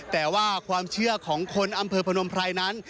แต่ว่าความเชื่อของคนอำเภอพนมไพรนั้น